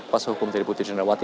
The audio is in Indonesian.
pas hukum dari putri candrawati